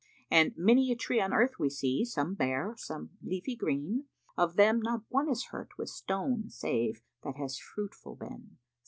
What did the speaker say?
And many a tree on earth we see, some bare, some leafy green, Of them, not one is hurt with stone save that has fruitful been!